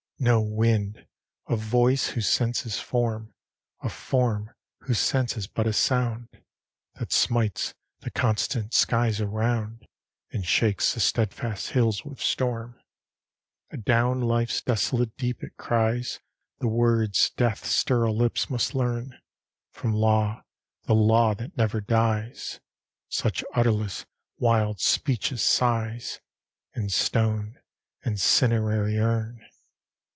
No wind! a voice whose sense is form; A form whose sense is but a sound; That smites the constant skies around, And shakes the steadfast hills with storm: Adown life's desolate deep it cries The words death's sterile lips must learn From Law, the Law that never dies Such utterless, wild speech as sighs In stone and cinerary urn.